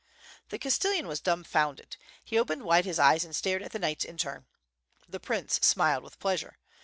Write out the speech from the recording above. The castellan was dumbfounded, he opened wide his eyes and stared at the knights in turn. The prince smiled with pleasure.